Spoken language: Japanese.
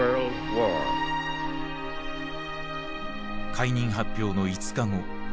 解任発表の５日後。